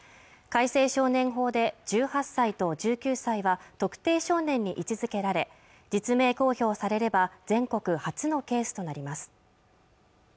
改正少年法で１８歳と１９歳は特定少年に位置づけられ実名公表されれば全国初のケースとなります